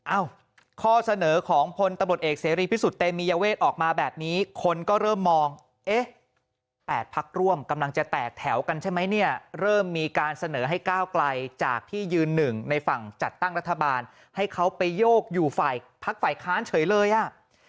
เอ้าข้อเสนอของพลตำรวจเอกเสรีพิสุทธิ์เตมียเวทออกมาแบบนี้คนก็เริ่มมองเอ๊ะ๘พักร่วมกำลังจะแตกแถวกันใช่ไหมเนี่ยเริ่มมีการเสนอให้ก้าวไกลจากที่ยืนหนึ่งในฝั่งจัดตั้งรัฐบาลให้เขาไปโยกอยู่ฝ่ายพักฝ่ายค้านเฉยเลยอ่ะ